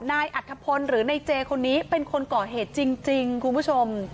อัธพลหรือนายเจคนนี้เป็นคนก่อเหตุจริงคุณผู้ชม